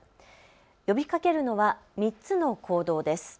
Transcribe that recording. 呼びかけるのは３つの行動です。